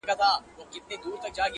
چي ما وويني پر بله لار تېرېږي!.